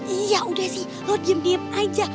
iya udah sih lo diem diem aja